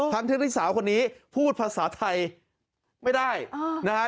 ทั้งที่สาวคนนี้พูดภาษาไทยไม่ได้นะฮะ